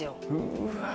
うわ。